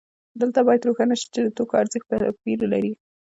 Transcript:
دلته باید روښانه شي چې د توکو ارزښت توپیر لري